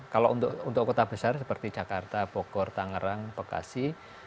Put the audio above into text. kalau untuk kota besar seperti jakarta bogor tangerang bekasi